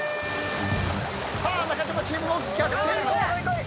さあ中島チームの逆転。